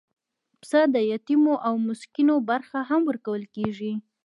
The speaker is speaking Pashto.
پسه د یتیمو او مسکینو برخه هم ورکول کېږي.